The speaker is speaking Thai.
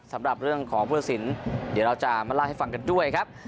สำหรับเรื่องของพุทธศิลป์เดี๋ยวเราจะมาเล่าให้ฟังกันด้วยครับ